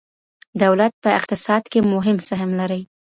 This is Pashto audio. دولت په اقتصاد کي مهم سهم لري.